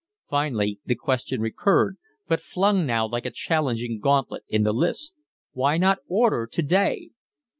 Finally the question recurred, but flung now like a challenging gauntlet in the lists: Why not order today?